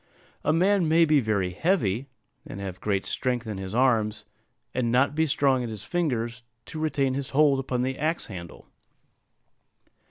A man may be very heavy, and have great strength in his arms, and not be strong in his fingers to retain his hold upon the axe handle.